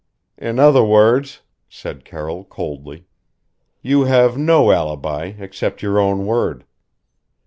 "In other words," said Carroll coldly, "You have no alibi except your own word.